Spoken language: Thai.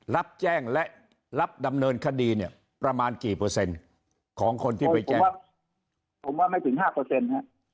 รับแจ้งและรับดำเนินคดีเนี่ยประมาณกี่เปอร์เซ็นต์ของคนคนไปจับผมเกิดไม่ถึง๕